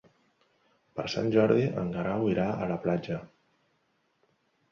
Per Sant Jordi en Guerau irà a la platja.